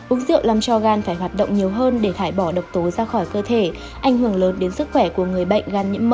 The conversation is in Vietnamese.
uống rượu làm cho gan phải hoạt động nhiều hơn để thải bỏ độc tố ra khỏi cơ thể ảnh hưởng lớn đến sức khỏe của người bệnh gan nhiễm mỡ